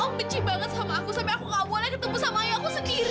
om benci banget sama aku sampai aku nggak boleh ketemu sama ayahku sendiri